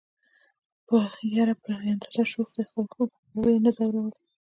يره بې اندازه شوخ دي وخو يې نه ځورولئ.